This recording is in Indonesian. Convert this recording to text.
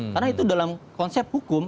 karena itu dalam konsep hukum